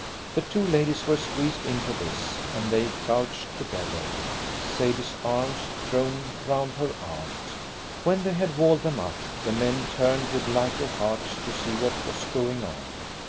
The two ladies were squeezed into this, and they crouched together, Sadie's arms thrown round her aunt. When they had walled them up, the men turned with lighter hearts to see what was going on.